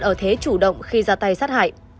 ở thế chủ động khi ra tay sát hại